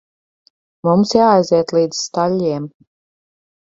Mums jāaiziet līdz staļļiem.